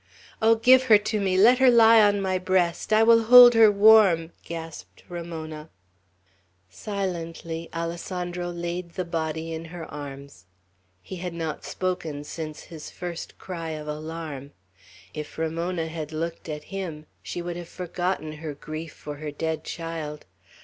"Oh, give her to me! Let her lie on my breast! I will hold her warm!" gasped Ramona. Silently Alessandro laid the body in her arms. He had not spoken since his first cry of alarm, If Ramona had looked at him, she would have forgotten her grief for her dead child.